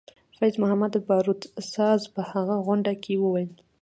فیض محمدباروت ساز په هغه غونډه کې وویل.